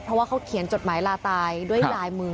เพราะว่าเขาเขียนจดหมายลาตายด้วยลายมือ